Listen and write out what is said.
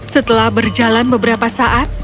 setelah berjalan beberapa saat